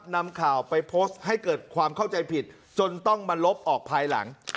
นำข่าวไปโพสต์ให้เกิดความเข้าใจผิดจนต้องมาลบออกภายหลัง